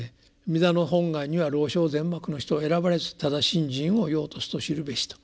「弥陀の本願には老少善悪のひとをえらばれずただ信心を要とすとしるべし」と。